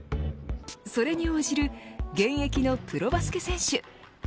それに応じる現役のプロバスケ選手。